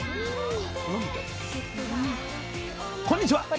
こんにちは。